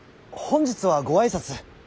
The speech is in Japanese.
本日はご挨拶。